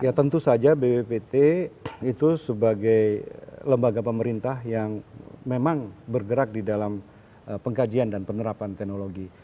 ya tentu saja bppt itu sebagai lembaga pemerintah yang memang bergerak di dalam pengkajian dan penerapan teknologi